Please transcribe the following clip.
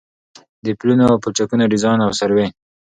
د پلونو او پلچکونو ډيزاين او سروې